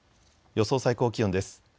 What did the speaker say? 予想最高気温です。